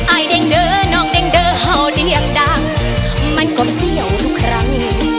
อายเด็งเดอนองเด็งเดอเฮาเด็งดังมันก็เสี่ยวทุกครั้ง